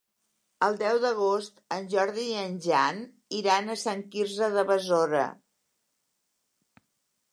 El deu d'agost en Jordi i en Jan iran a Sant Quirze de Besora.